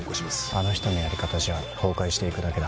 あの人のやり方じゃ崩壊していくだけだ。